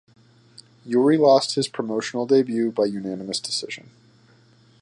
Yuri lost his promotional debut by unanimous decision.